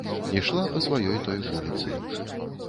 Ішла па сваёй той вуліцы.